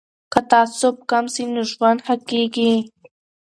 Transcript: که تعصب کم سي نو ژوند ښه کیږي.